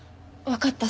わかった。